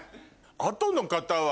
あとの方は。